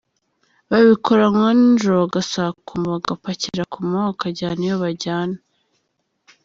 babikora amanywa n’ijoro bagasakuma , bagapakira ku manywa bakajyana ibyo bajyana.